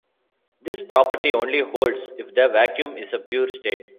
This property only holds if the vacuum is a pure state.